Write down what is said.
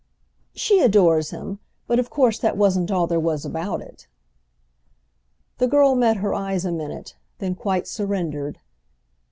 "She adores him—but of course that wasn't all there was about it." The girl met her eyes a minute, then quite surrendered.